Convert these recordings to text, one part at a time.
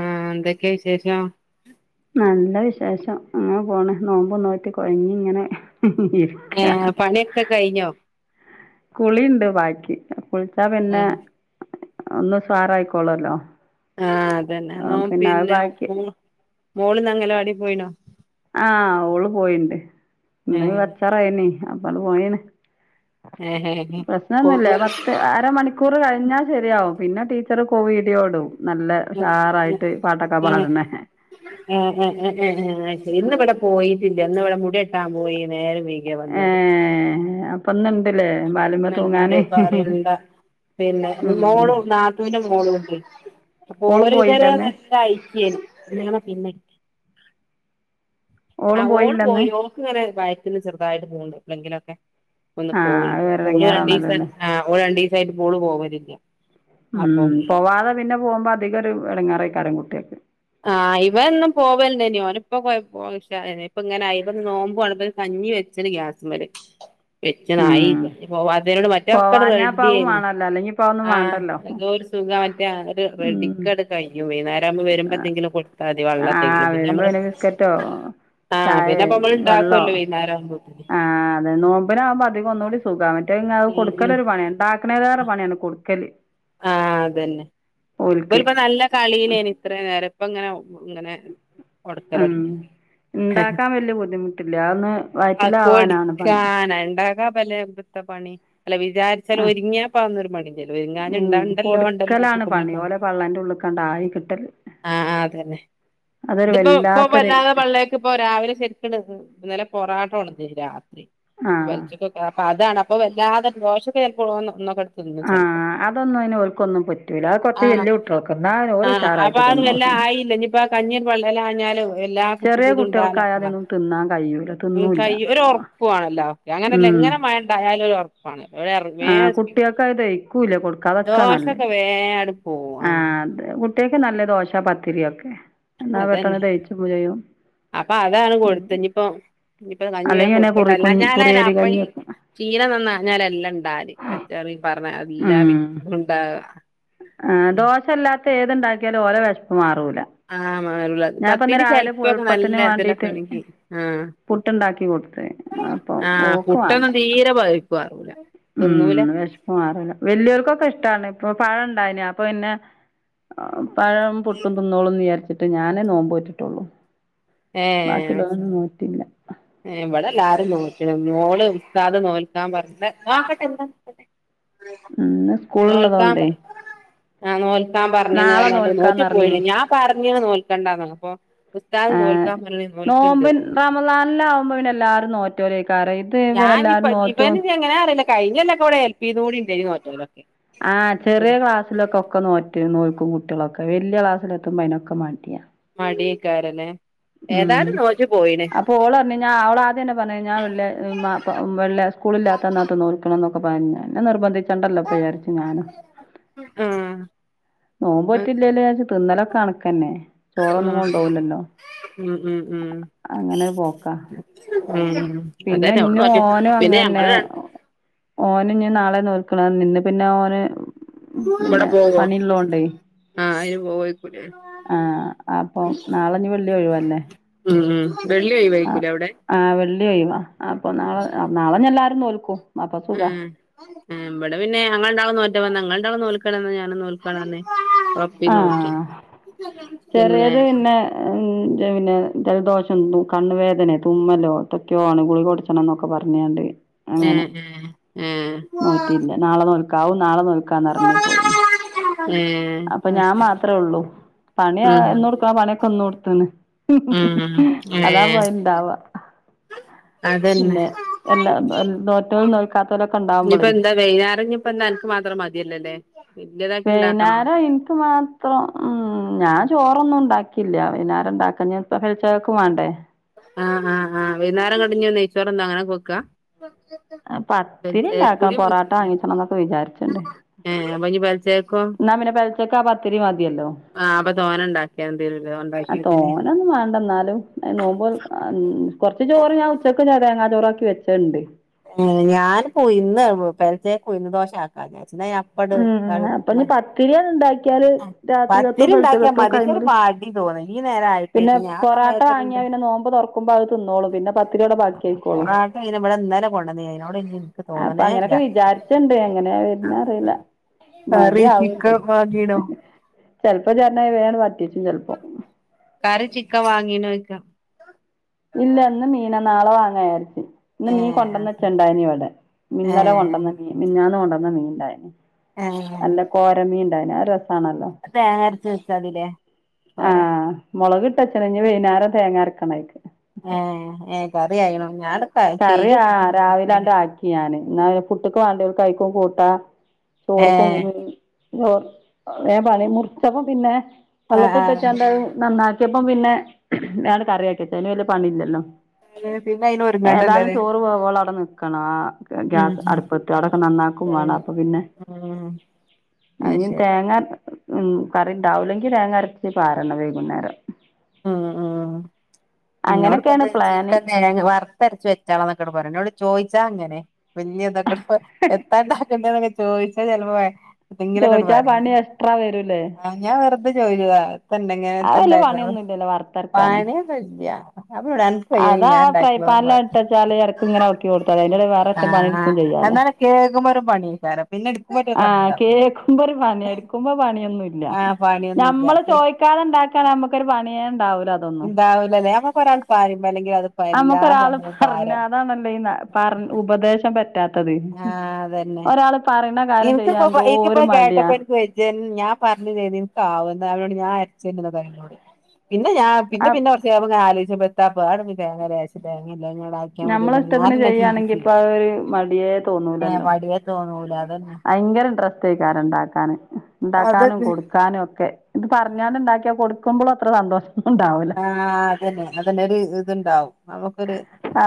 ആ എന്തൊക്കെയ വിശേഷം? നല്ല വിശേഷം ങ്ങനെ പോണ് നോമ്പ് നോറ്റ് കൊഴഞ്ഞിങ്ങനെ ഏഹ് പണിയൊക്കെ കഴിഞ്ഞോ കുളിണ്ട് ബാക്കി കുളിച്ചാ പിന്നെ ഉം ഒന്ന് ഉസാറായിക്കോളല്ലോ. ആ അതന്നെ നോ പിന്നെ ബാക്കി മോളന്ന്‌ അങ്കലവാടി പോയിനോ? ആ ഓള് പോയിണ്ട്. ന്ന് ഏഹ് കച്ചാറയനീ അപ്പൊന്ന് പോയിണ്. ഏഹ് ഏഹ് പ്രശ്നോന്നുല്ല പോകല് പത്ത് അരമണിക് [unintelligible] കഴിഞ്ഞാൽ ശരിയാവും പിന്നെ ടീച്ചർ കോ വിഡിയോയിടും. ഏഹ് ഏഹ് പാട്ണെ. ഏ ഏ ഏ ഏ ഏ അയ്ശരി ഇന്ന്ബടെ പോയിട്ടില്ല. ഇന്ന് ഇവിടെ മുടി വെട്ടാൻ പോയിനെ ഏ അപ്പൊ ഇന്ന [unintelligible] ണ്ട പിന്നെ ഉം. മോളു നാത്തൂന്റെ മോളും ഇണ്ട്. ഓളും പോയില്ലന്ന്? [unintelligible] പിന്നെ ആ ഓളും ഓള് പോയില്ലന്ന് പോയി. ഓക്ക് ഇങ്ങനെ വയറ്റന്ന് ചെറുതായിട്ട് പോവണ്ട് എപ്പളെങ്കിലൊക്കെ. ഓള് ആഹ് അത് പോവ്ണ്ട്. വേറെ ഓള് രണ്ടിസാ എടങ്ങേറാണല്ലോല്ലേ ആ ഓള് രണ്ടിസായിട്ട് [unintelligible] പോവലില്ല. അപ്പം ഉം പോവാതെ പിന്നെ പോകുമ്പോ അധികം ഒരു എടങ്ങേറാക്കാരം കുട്ടിയക്ക്. ആ ഇവൻ ന്നു പോവല് ണ്ടെയ്നു ഓനിപ്പ [unintelligible] പ്പ ഇങ്ങനായി പ്പോ ന്ന് നോമ്പു [unintelligible] കഞ് കഞ്ഞി [unintelligible] ഗ്യാസുമല്. ഉം [unintelligible] മറ്റേ ഒക്കണ് പോവാഞ്ഞാ ഇപ്പ അതും റെഡിഡിയിനീ വാണല്ലോ അല്ലെങ്കി ഇപ്പ അതൊന്നും ആ വാണ്ടല്ലോ എന്തോരു സ്പ് [unintelligible] ഉം കയിഞ്ഞ് പോയി വൈന്നാരാ വരവുമ്പോതെങ്കിലും ഒ ആ വരുമ്പോ പിന്നെ ബിസ്കറ്റോ. ആ ചായെ പിന്നെപ്പ നമ്മള് വെള്ളോ ഇണ്ടാക്കുവല്ലോ വൈന്നേരാവുമ്പോത്തിന് ആ അതെ നോമ്പിനാകുമ്പോ അധികം ഒന്നുകൂടി സുഖാണ്. [unintelligible] അത് ഉം കൊടുക്കല് ഉം ഒരു പണിയാണ്. ണ്ടാക്കണേലെറെ പണിയാണ് കൊടുക്കല്. ആഹ അതന്നെ ഓൽക്ക് ഓല് ഇപ്പൊ നല്ല കളിയിലേന് ഇത്ര നേരം, ഇപ്പ ഇങ്ങനെ ഇങ്ങനെ ഉം ഇണ്ടാക്കാൻ [unintelligible] വല്യ ബുദ്ധിമുട്ടില്ല അതൊന്ന് ആഹ് വയറ്റിലാവാനാണ് പണി കൊടിക്കാനണ്ടക പലെ വൃത്ത പണി അല്ല വിചാരിച്ചാല് ആഹ് ഒരുങ്ങിയാ പ [unintelligible] ഒരുങ്ങാന് ഉണ്ട ഉണ്ടല്ലോ [unintelligible] പള്ളന്റെ ഉള്ളക്ക് ണ്ടായി കിട്ടല്. ആഹ് ആഹ് അതന്നെ അതൊരു ഇതിപ്പോ ഇപ്പൊ വല്ലാത്തൊരു വല്ലാതെ [unintelligible] ഇപ്പോ രാവിലെ [unintelligible] പൊറാട്ട കൊടുതിരുന്നു രാത്രി. അപ്പോ ആഹ് [unintelligible] അതാണ് അപ്പ വല്ലാതെ ദോഷക്കെ ചെലപ്പോ പൊന്നു ഇന്ന ആഹ് അതൊന്നും അയിന് ഒൽക്കൊന്നും പറ്റൂല്ല. ആ ആഹ് വലിയ കുട്ടികളൊക്കെ ഞൻ ഓല് ആഹ് അപ്പൊ ഉസറായിട്ട് അത് വല്ലാ തിന്നോളും. ല്ലാ ചെറിയ കുട്ടികൾക്കായാ കുച്ചുട്ടുണ്ടാണപ്പളാ അതൊന്നും തിന്നാൻ കഴിയൂല തിന്നൂല്ല എന്തായി ഒരു ഉറപ്പ് വാണല്ലോ ഒക്കെ അങ്ങനല്ലേ ഉം മണ്ടായാലും ഉറപ്പണ് വെർ ആഹ് വെസ്കി കുട്ടികൾക്ക് അത് ദഹിക്കൂല്ല കൊടുക്കാതക്കാ ദോശ നല്ലേ ഒക്കെ വേ വേണ്ടുപോകും ആഹ് അതെ കുട്ട്യാൾക്ക് നല്ലത്. ദോശ പത്തിരി ഒക്കെ എന്നാ പെട്ടെന്ന് അതന്നെ ദേഹിച്ചു അപ്പൊ അതാണ് കൊടുത്ത്. നിപ്പോ ഇണങ്ങിയാ അല്ലെങ്കി പിന്നെ കുറി കുട്ടിക്കട്ടല്ല കുഞ്ഞ് ഞാന കുറിയരി അപ്പയി കഞ്ഞിയൊക്കെ ചീന നഞ്ഞാൽ എല്ലാം ഇണ്ടാവല് കറ്ററി ഉം [unintelligible] ആ ദോശല്ലാത്ത ഏത് ഇണ്ടാക്കിയാലും ഓലെ വിഷപ്പ് മാ ഉല ആ മാറുള്ളത്. ഞൻപ്പന്താ പത്തിരി രാവിലെ ചെലപ്പൊക്കെ നല്ല കുഴപ്പത്തിന് ഇതിലൊക്കെ വാണ്ടീട്ട് ആണെങ്കി ആ പുട്ട് ഇട്ടുണ്ടാക്കി കൊടുത്ത് അപ്പൊ ആ ഓൾക്ക് വാണ്ട. പുട്ടൊന്നും തീരെ പഴുപ്പ് മാറൂല തിന്നൂല ഉം വിഷപ്പ് മാറുല്ല. വലിയോർക്കൊക്കെ ഇഷ്ട്ടാണ്. അപ്പ പഴം ഉണ്ടായിന് അപ്പൊ പിന്നെ പഴം, പുട്ടും തിന്നോളും വിചാരി ന്ന്ട്ട് ഞാനേ നോമ്പോറ്റിട്ടൊള്ളൂ. ബാക്കിയുല്ലൊരുന്നും നോറ്റില്ല. ഏ ഇവിടെല്ലാരും നോറ്റു. ഓല് ഉസ്താദ് നോൽക്കാൻ പറഞ്ഞു നോക്കട്ടെ [unintelligible] ഉം ഇന്ന് സ്കൂൾ നോൽക്കാൻ ഉള്ളതോണ്ടേ? ആഹ് നോൽക്കാൻ പറഞ്ഞിന്. നോറ്റ് നോൽക്കാന്നറിഞ്ഞ് പോയിന് ഞാൻ പാ പറഞ്ഞിന് നോൽക്കണ്ടാന്ന്. പറഞ്ഞപ്പോ ഉസ്താദ് നോൽ നോമ്പ് റമദാനിലാവകുമ്പോ പിന്നെ എല്ലാവാരും നോറ്റോലേ കറ ഇത് പിന്ന എല്ലാരും നോറ്റു കഴിഞ്ഞ കൊല്ലൊക്കെ ഇവിടെ ഹെൽപി നു ണ്ടായിരുന്നു. നോറ്റോരൊക്കെ. ആഹ് ചെറിയ ക്ലാസ്സിലൊക്കെ ഒക്കെ നോറ്റ് നോൽക്കും കു കുട്ടികളക്കെ വലിയ ക്ലാസിലൊക്കെ എത്തുമ്പോ അതിനൊക്കെ മാഠിയാ. മടിയെക്കാരല്ലെ ഉം ഏതായും നോറ്റു പോ അപ്പൊ അവഓള് പറഞ്ഞഞ് ഞാൻ അപ്പൊ ഓള് പറഞ്ഞ ന്നാ അവള് ആദ്യം തന്നെ പറഞ്ഞ ന്നാ വെള്ളി നോക്കാ വെള്ളി സ്കൂളില്ലാത്ത അന്നൊക്കെ നോക്കണ്. അപ്പ അതന നിർബന് ദികണ്ടല്ലോ വിചാരിച്ചു ഞാന്. ആ നോമ്പ് നോറ്റില്ലല്ലോ എന്ന് വിചാരിച് തിന്നലൊക്കെ കണക്കന്നെ. ചോറൊന്നും ആഹ് കൊണ്ടോവില്ലല്ലോ. ഉം ഉം ഉം ഉം പിന്നെ അതന്നെ ഓള് ഇന്ന് നോറ്റ് ഓനും പിന്നെ അങ്ങന്നെ ഞങ്ങള് ഓനും ഇനി നാളെ നോ [unintelligible] ഇന്ന് പിന്നെ ഓന് ഇവിടെ പിന്നെ പോവോ പണിള്ളോണ്ട് ആഹ് അയിന് പോവേക്കുലേ ആഹ് അപ്പൊ നാളെ ഇഞ് വെള്ളി ഒഴിവല്ലേ? ഉം ഉം വെള്ളി ആ ഒഴിവായിക്കൂലേ അവിടെ ആഹ് വെള്ളി ഒഴിവാ അപ്പൊ നാളെ നാളെ എല്ലാരും നോൽക്കും. അപ്പൊ സുഖാ ഉം ഉം ഇവിടെ പിന്നെ ഞങ്ങൾ രണ്ടാ ഞങ്ങൾ രണ്ടാളും നോൽക്കണന്ന് ഞാൻ നോക്കാണെ ആഹ് ചെറിയത് പിന്നെ പിന്നെ ജലദോഷം മുക്ക് കണ്ണുവേദനെ തുമ്മലോ എന്തൊക്കെയാണ്. ഗുളിക കുടിച്ചണം എന്നൊക്കെ പറഞ്ഞു. പറഞ്ഞുങ്ങാണ്ട് ഏ അങ്ങനെ ഏ ഏ നോറ്റില്ല നാളെ നോ ക്കാവു നാളെ നോൽക്കാന്ന്. പറങി പോയി ഏ അപ്പൊ അത് ഞാൻ ശരി മാത്രേ ഒള്ളൂ. പണിയ എ ഉം കൊടുക്കണ പണിയൊക്കെ ഇന്ന് കൊടുത്തന്. ഉം ഉം അതാ പോയിണ്ടവാ. ഉം അതന്നെ നോറ്റോലും നോൽക്കാത്തോലൊക്കെ ഇനിയിപ്പോ ഉണ്ടാവുമ്പളേ എന്താ വൈകുന്നേരം. ഇഞ് പ എന്താ അൻക് മക്ക മാത്ര മതിയല്ലല്ലേ? വല്യതാക്കി ഇണ്ടാക്കണോ വൈകുന്നേരം അനിക് മാത്രം. ഉ ഞാൻ ചോ- റോന്നും ഉണ്ടാക്കില്ല. വൈകുന്നേര [unintelligible] വേണ്ടേ ആഹ് ആ ആഹ വൈകുന്നേരം നട്ഞ്ഞി നെയ്ച്ചോറെ എന്താ അങ്ങനെ കൊക്കാ. പത്തിരി ഇണ്ടാക്കണം പൊറാട്ട വാങ്ങിച്ചണം എന്നൊക്കെ [unintelligible] [unintelligible] നപിനെ പെൽച്ചക്കാപത്തിരി മ ആഹ് അപ്പൊ തോന ഉണ്ടാക്കണ്ടിവരൊല്ലോ ആ തോനെ ഒന്നും വേണ്ട എന്നാലും നോമ്പോൽ അ് ആഹ് കൊറച്ച് ചോറ് ഞാൻ ഉച്ചക്ക് ചേ തേങ്ങാ ചോറാക്കി വെച്ചെണ്ട് ഞാൻ ഉയ്ന്ന് പെല്ച്ചേക്ക് ഉയിന്ന് ദോശ ആക്കാ വിചാരിച്ചു [unintelligible] [unintelligible] ക്യാല് രാത്രികത്തൊം ഉണ്ടാക്കിയാ പെല്ച്ചക്കത്തോംക്കെ മതി പക്ഷെ ഒരു അയ്ല് മടി തോന്നും ഈ നേരം പിന്നെ ആയിട്ടേക്കും ആ പൊറാട്ട സമയത്തിണ്ട് വാങ്ങിയാ പിന്നെ നോമ്പ് തുറക്കുമ്പോ അത് തിന്നോളൂം പിന്നെ പത്തിരിയവ്ടെ ബാക്കി ആയിക്കോളൂം പൊറാട്ട പിന്നെ ഇവിടെ ഇന്നലെ കൊണ്ടുവന്നീനി അതിനോട് ഇനി എനിക്ക് അപ്പൊ തോന്നണേ ഇല്ല അങ്ങനെയൊക്കെ വിചാരിച്ചിണ്ട് എങ്ങനെയാ വുര്ന്നെ അറിയില്ല കറി ചിക്കൻ വാങ്ങീണോ? ചിലപ്പം ഇജ്പറ്ഞ്ഞാതിരി വേണ്ട് വറ്റിച്ചും ചെലപ്പം ക്കൻ വാങ്ങീനോ ചോയ്ക്ക ഇല്ല ഇന്ന് മീന നാളെ വാങ്ങ വിചാരിച്ചു ഇന്ന് ഏ മീൻ കൊണ്ടന്ന് വെച്ചെ ഇണ്ടായ്നി ഇവിടെ മി ഏ ന്നലെ കൊണ്ടുവന്നെ മീ മിഞ്ഞാന്ന് കൊണ്ടുവന്ന മീൻ ഇണ്ടായ്ര്നു ഏ നല്ല കോരമീൻ ഉണ്ടായിനി ആണല്ലോ തേങ്ങ അരച്ച് വെച്ചാതില്ലേ ആ പോരാ മുളക്ഇ ട്ട് വെക്കണം ഇഞ്ഞ് വൈനേരം തേങ്ങരക്കണംഅയ്ക്ക് ഏ ഏ കറി ആയ്ണോ ഞാന് കറിയ ആ രാവിലാണ്ട് ആക്കി ഞാന് ന്നാ പുട്ടക്ക് വേണ്ടിയോല്ക്ക് അയ്ക്കും കൂട്ടാം ഏ ചോർക്കും ചോ വേം പണി മുറിച്ചപ്പം പിന്നെ ആ വെള്ളത്തി ആ ഇട്ടെച്ചാണ്ട് അത് നന്നാക്കിയപ്പം പിന്നെ ഞാൻ കറിയക്കിവെച്ച് അതിന് വല്യ പണി ഇല്ലല്ലോ അതെ പിന്നെ അയിന് ഒരുങ്ങണ്ടല്ലേ ഏതായാലും ല്ലേ ചോറ് വേവോളം അവിടെ നിക്കണം ആ ഉം ഗ്യാസ് ഉം അടുപ്പത്തി അവിടെക്കെ നന്നാക്കും വേണം അപ്പം പിന്നെ ആഹ് ഇഞ്ഞും തേങ്ങാ ഉ കറി ഉണ്ടാവൂല്ലെങ്കിൽ തേങ്ങരച്ച് പാരണം വൈകുന്നേരം ഉം ഉം ഇന്നോട് അങ്ങനൊക്കേണ് ഇപ്പംന്ന് പ്ലാന് ചീക്കൻ തേങ്ങ വറുത്തരച്ച് വെച്ചാളന്നൊക്കെണ് പറഞ്ഞെ എന്നോട് ചോയി ച്ച അങ്ങനെ വല്ല്യ ഇതൊക്കെ ഇപ്പം എത്താണ്ടാക്കണ്ടെന്നൊക്കെ ചോദിച്ചാ ചിലപ്പോ തെങ്കിലൊക്കെ ചോയിച്ചാ ഇണ്ട്പറേ പണി എക്സ്ട്രാ വരൂലേ ഞാൻ വെറുത തെചോയ്ച്ചതാ അത് വല്യ [unintelligible] പണിയൊന്നുല്ലല്ലോ വറുത്തരക്കാന് പാണിയൊന്നുല്ല [unintelligible] അന്ക്ക് അതാ വെയ്യങ്കിഞാൻണ്ടാക്കി ഫ്രൈപാനില് ഇട്ടച്ചാല് ഇടക്ക് ഇങ്ങനെ ഇളക്കി [unintelligible] കൊടുത്താല് അതിന്റെ വേറെറ്റ പണി ആഹ് എടുക്കും ചെയ്യാലോ എന്നാല് കേൾക്കുമ്പോ ഒരു പണിയെയ്ക്കാരം ആഹ് കേൾക്കുമ്പോ ഒരു പണി എടുക്കുമ്പോ പണിയൊന്നുംല്ല ആഹ് പണിയൊന്നുല്ല ഞമ്മള് ചോയ്ക്കാതെ ഉണ്ടാക്ക- നമുക്കൊരു പണിയ ഉണ്ടാവും ണ്ടാവുലലെ നമുക്ക് ഒരാള് സംഭവവും പറഞ്ഞാ ഭാരം അതാണല്ലേ ഈ പറ ഉപദേശം പറ്റാത്തത് ഒരാള് പറയ്ണെ ഇനിക്ക്പ്പം പ്പോ ഇക്കപ്പം കേട്ടപ്പെ എനിക്ക് വെജെയ് ഞാൻ പറഞ്ഞതേനി ഇൻക്കാവുന്ന് അവരോട് ഞാൻ അരച്ചു തരുന്ന് [unintelligible] പിന്നെ ഞാ ആ പിന്നെ പിന്നെകൊറ്ച്ചെയ്ഞ്ഞപ്പംങ്ങനെ ആലോചിച്ചപ്പം എത്താപ്പം [unintelligible] തേങ്ങ ലേസം തേങ്ങ ആക്കിയാൽ ഞമ്മളെ മതിയല്ലേ ഇഷ്ടത്തിന് ഞാനെന്നെ ചെയ്യാണെങ്കി ചിന്തിച്ച് ഇപ്പ അത് ഒരു മടിയേ തോന്നൂലല്ലോ വടിയേ തോന്ന ഭയങ്കര ഇൻട്രസ് ടെയ്ക്കാരം ഇണ്ടാക്കാന് ഇണ്ടാക്കാനും അതന്നെ കൊടുക്കാനും ഒക്കെ ഇത് പറഞ്ഞാ ഇണ്ടാക്കിയ കൊടു കൊടുക്കുമ്പോൾ അത്ര സന്തോഷം. ഉണ്ടാവൂല ആ അതെന്നെ അതെനെ ഒരു ഇതുണ്ടാവും നമ്മക്കൊരു ആ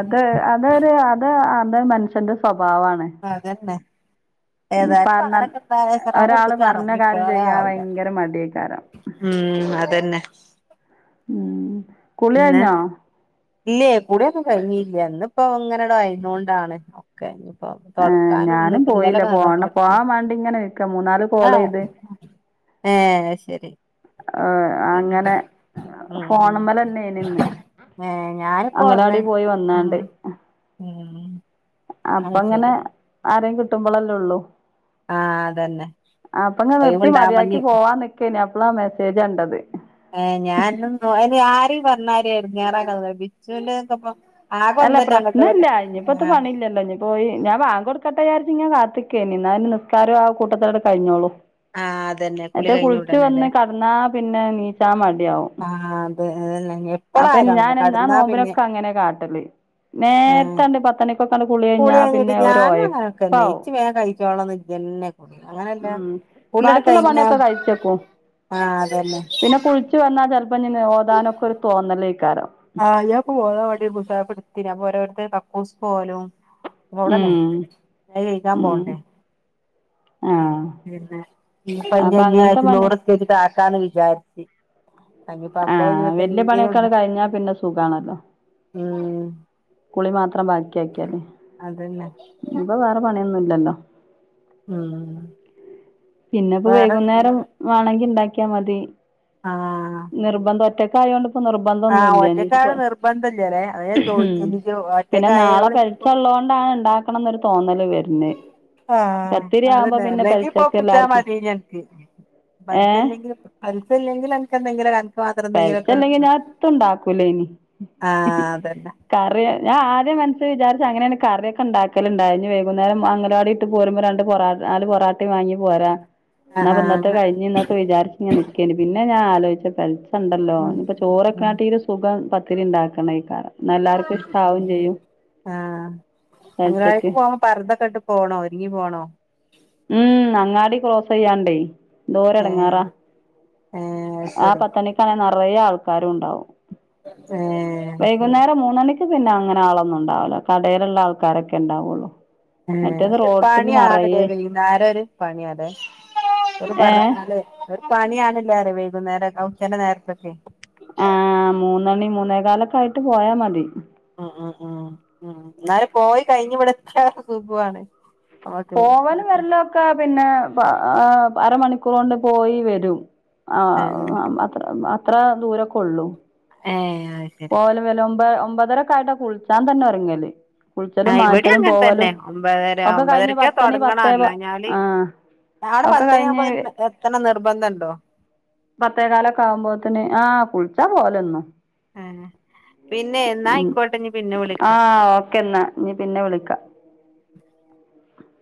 അത് അതൊരു അത് അത് മനുഷ്യന്റെ സ്വഭ അതന്നെ. ഏതായാലും പ്പം പറഞ്ഞാൽ അങ്ങനൊക്കെ [unintelligible] അസറ്ബ്ങ്ക് ഒരാള് കൊടുത്തിട്ട് പറഞ്ഞ വേണം [unintelligible] കാര്യം [unintelligible] ചെയ്യാൻ ആവില്ല. ഭയങ്കര മടിയേക്കാരം ഉം അതന്നെ. ഉം കുളി പിന്നെ കഴിഞ്ഞോ? ഇല്ലേ കുളിയൊക്കെ കഴിഞ്ഞില്ലേ അന്ന് ഇപ്പോ ഇങ്ങനെട ആയത് കൊണ്ടാണ് ഒക്കെ. ഏഹ് ഞാനും ഇന്നലെ പോയില്ല നല്ലോണം പോണം തുടച്ചു പോവാൻ മാണ്ടി ഇങ്ങനെ നിക്ക മൂന്നാല് കോളെയ്ത് ഏഹ് ശരി. ഹ് അങ്ങനെ. പിന്നെ ഉം ഉം ഫോണിമ്മലന്നെനി ഇന്ന് ഏഹ് ഞാനിപ്പോ ഒന്ന് അംഗനവാടി പോയി വന്നാണ്ട്. ഉം ഉം അപ്പ അത് അങ്ങനെ ശരി ആരേം കിട്ടുമ്പോളല്ല ഉള്ളു. ആഹ് അതന്നെ അപ്പ ഇങ്ങെ നിർത്തി മതിയാക്കി ഒഴിവുണ്ടാവുമ്പഞ്ഞി പോവാ നിക്കെ--നും ഇപ്പളാ മെസ്സേജ് കണ്ടത്. [unintelligible] അല്ല ഒന്നറ്റെ അങ്ങട്ടും പ്രശ്നം ഇല്ല. ഇങ്ങട്ടും ഇനിയിപ്പോത്തെ ആഹ് പണില്ലല്ലോ, ഇനി പോയി ഞാൻ ബാങ്ക്കൊടു [unintelligible] ഞാൻ കാത്തിക്ക എന്നാ അതിന് നിസ്കാരം ആ കൂട്ടത്തടെ കഴിഞ്ഞോളൂ. ആഹ് അതന്നെ കുളി മറ്റേ കഴിഞ്ഞ കുളിച്ചു വന്ന് ഉടനെല്ലേ കടന്നാ പിന്നെ നീച്ചാ മടിയാവും. [unintelligible] അതെ അതന്നെ. [unintelligible] അപ്പൊ ഞാൻ അങ്ങനെ കടന്നാ പിന്നെ നോമ്പിനൊക്കെ അങ്ങനെ കാട്ടല് ഏഹ് നേരത്തെണ്ട് പത്തണിക്കൊക്കെ കുളി കഴിഞ്ഞീട്ടി ഞാനും അങ്ങനൊക്കെന്നെ ഇച്ച് വേഗ കഴിച്ചോളന്ന് എന്നെന്നെ കുളി അങ്ങനെയല്ല. ഉം ബാക്കിയുള്ള പണിയൊക്കെ കഴിച്ചെക്കും. ആഹ് അതന്നെ പിന്നെ കുളിച്ചു വന്നാ ചിലപ്പ ങ്ങനെ ഓതാനൊക്കെ. തോന്നലേക്കാരം ആഞാൻ ഇപ്പോഓതാൻ വേണ്ടി മുസ്ഹഫ് എടുത്തിനു ഓരോരുത്തര് കക്കൂസിൽ പോവലും ഉടനെ ഉം എഴുതാൻ ഉം പോണ്ടേ. ആഹ് [unintelligible] അപ്പൊ അങ്ങനത്തെ പണി ക്കാന് വിചാരിച്ച്. അപ്പ അപ്പോഴു ആഹ് വല്യ എങ്കിലു പണിയൊക്കെങ്ങട് ഉണ്ടാ കഴിഞ്ഞാ പിന്നെ സുഖാണല്ലോ ഉം. കുളി മാത്രം ബാക്കി ആക്കിയല്ലേ അതന്നെ ഇപ്പ വേറെ പണിയൊന്നും ഇല്ലല്ലോ. ഉം പിന്നെപ്പോ വേറെ വൈകുന്നേരം വേണെങ്കി ഉണ്ടാക്കിയാ മതി ആഹ് നിർബന്ധം ഒറ്റ ആഹ് നിർബന്ധമില്ല ഒറ്റക്കാവണ പോ നിർബന്ധല്ലല്ലേ അതാ ഞാൻ ഉം. ചോദിച്ചെ ഇജ്ജ് പിന്നെ നാളെ ഒറ്റക്കായോണ്ട് ഇപ്പൊ കഴിച്ചുള്ള. കൊണ്ടാ ഉണ്ടാക്കണമെന്നാരു തോന്നൽ വരുന്നത്. പത്തിരി ആവുമ്പോ പിന്നെ പരി മതിനിക്ക് പലിസ ഏഹ് ഇല്ലെങ്കിലും പലിസ ഇല്ലെങ്കിൽ അനക്ക്എന്തെങ്കില പ ഞാൻ ഒട്ടും ഉണ്ടാക്കൂല ഇനി ആഹ് അതന്നെ കറിയ ഞാൻ ആദ്യ മനസ്സിൽ വിചാരിച്ച് അങ്ങനെ കറിയക്കെ ഉണ്ടാക്കലുണ്ടായി വൈകുന്നേം അംഗനവാടി ഇട്ട് പോരുമ്പാ രണ്ട് പൊറോട്ട നാല് പൊറാട്ടേ വാങ്ങി പോരാ. എന്നാ ആഹ് ആഹ് ഇന്നത്തെ അങ്ങ കഴിഞ്ഞഞ് എന്നൊക്കെ വിചാരിച്ച് നിക്കേന്ന് പിന്നെ ഞാൻ ആലോചിച്ച്. ഉണ്ടല്ലോ, ഉം ഇനിപ്പ ചോറൊക്കെ ഉം ആട്ടില് ഒരു സുഖം പത്തിരി ഉണ്ടാക്കണെക്ക. ആ. തിങ്കളാഴ്ച്ച പെലച്ചക്ക് പോകുമ്പോ പറതൊക്കെട്ട് പോണോ ഒരുങ്ങി പോണോ. ഉം അങ്ങാടി ക്രോസ് ചെയ്യാണ്ടേ എന്തോര് ഏഹ് ഇടങ്ങാറാ. ഏഹ് അത് ആ ശരി പത്തണിക്കാണെ നിറയെ ആൾക്കാരും ഉണ്ടാവും. ഏഹ് അത് ശരി വൈകുന്നേരം മൂന്നണിക്ക് പിന്നെ അങ്ങനെ ആളൊന്നും ഉണ്ടാവില്ല. കടയിലുള്ള ആൾക്കാരൊക്കെ ഉണ്ടാവുള്ളൂ. പണിയാണല്ലേ വൈകുന്നേരം ഒരു പണിയാല്ലെ ഓല് ഏ പറഞ്ഞേക്കുന്നത് ഒരു പണിയാണല്ലര വൈകുന്നേരം ഉച്ച നേരത്തൊക്കെ ആഹ മൂന്നണി മൂന്നേ കാലൊക്കെ ആയിട്ട് പോയാ മതി ഉ ഉം ഉം ഉ എന്നാല പോയി കഴിഞ്ഞു വിടത്ത സുഖാണ് പോവാനും വരില്ല ഒക്കെ പിന്നെ അരമണിക്കൂർ കൊണ്ട് പോയി വരും ആ ആഹ് അത്ര അത്ര ദൂരൊക്കെ ഉള്ളു ഏ പോല വല ഒമ്പ ഒമ്പതരക്കൊയിട്ടാ കുളിച്ചാൻ തന്നെ ഉറങ്ങിയല് കുളിച്ചലും ആഹ് ഇവിടേം മാറ്റലും അങ്ങനെ തന്നെ പോവലും ഒമ്പതര ഒക്കെ കഴിഞ്ഞ ഒമ്പതരക്കാ പത്തണി തൊടങ്ങണം പത്തേ അല്ലാഞ്ഞാല് ആഹ അവിടെ പത്തണി ആക്കുംമ്പതി എത്തണം നിർബന്ധ ഉണ്ടോ പത്തേകാലൊക്കെ ആകുമ്പോത്തന് ആ കുളിച്ചാ പോലന്നു ആ പിന്നെ എന്നാ ആയിക്കോട്ടന്നാ പിന്നെ ആ വിളിക്കാം ഓക്കെ എന്നാ ഇനി പിന്നെ വിളിക്കാം